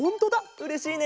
うれしいね。